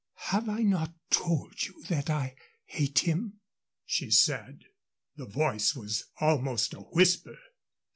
"Have I not told you that I hate him?" she said; the voice was almost a whisper.